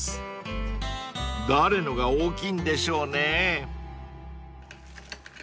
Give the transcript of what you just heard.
［誰のが大きいんでしょうね］